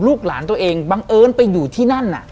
ลูกหลานตัวเองบังเอิญไปอยู่ที่นั่นน่ะ